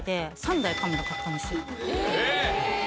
えっ！